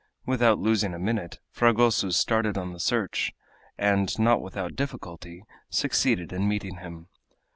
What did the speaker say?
Without losing a minute, Fragoso started on the search, and, not without difficulty, succeeded in meeting him.